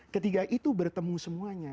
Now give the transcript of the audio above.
ketiga itu bertemu semuanya